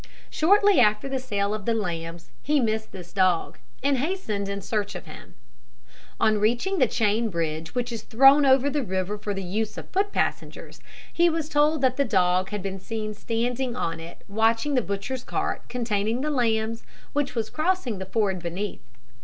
Shortly after the sale of the lambs he missed this dog, and hastened in search of him. On reaching the chain bridge which is thrown over the river for the use of foot passengers, he was told that the dog had been seen standing on it watching the butcher's cart containing the lambs, which was crossing the ford beneath.